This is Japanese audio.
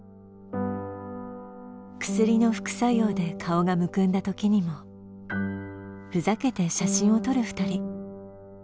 薬の副作用で顔がむくんだときにもふざけて写真を撮る２人。